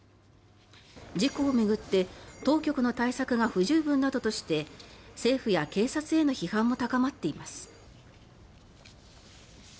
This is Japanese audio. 事故を巡って当局の対策が不十分などとして政府や警察への批判も高まっています。